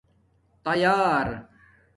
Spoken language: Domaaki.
تیار